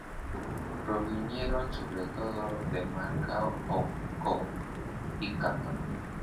Provinieron sobre todo de Macao, Hong Kong y Cantón.